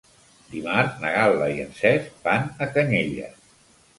Dimarts na Gal·la i en Cesc van a Canyelles.